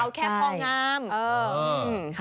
เอาแค่พองาม